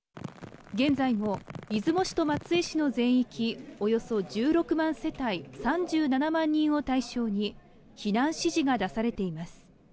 現在も出雲市と松江市の全域およそ１６万世帯、３７万人を対象に、避難指示が出されています。